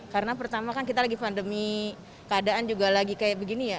karena pertama kan kita lagi pandemi keadaan juga lagi kayak begini ya